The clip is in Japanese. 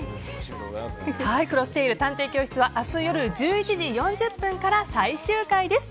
「クロステイル探偵教室」明日夜１１時４０分から最終回です。